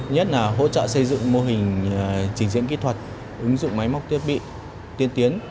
nhất là hỗ trợ xây dựng mô hình trình diễn kỹ thuật ứng dụng máy móc thiết bị tiên tiến